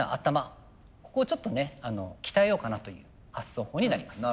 ここをちょっとね鍛えようかなという発想法になります。